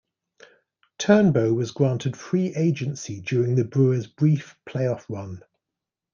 Turnbow was granted free agency during the Brewers' brief playoff run.